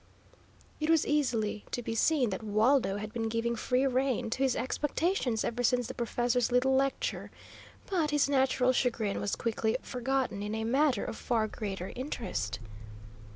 It was easily to be seen that Waldo had been giving free rein to his expectations ever since the professor's little lecture, but his natural chagrin was quickly forgotten in a matter of far greater interest.